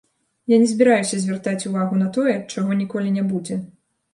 Я не збіраюся звяртаць увагу на тое, чаго ніколі не будзе.